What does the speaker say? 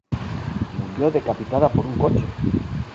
Murió decapitada por un coche.